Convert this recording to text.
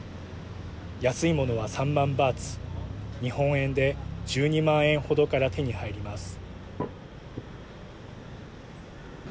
安いものは３万バーツ日本円で１２万円程から手に入ります。